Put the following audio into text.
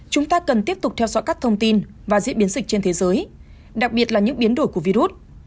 chúng ta cần tiếp tục theo dõi các thông tin và diễn biến dịch trên thế giới đặc biệt là những biến đổi của virus